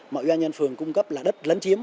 mà uan nhân phường cung cấp là đất lấn chiếm